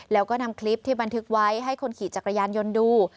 แล้วก็นำคลิปที่บันทึกไว้ให้คนขี่จักรยานยนต์ดู